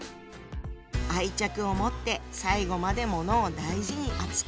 愛着を持って最後まで物を大事に扱う。